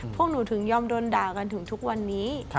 พวกหนูถึงยอมโดนด่ากันถึงทุกวันนี้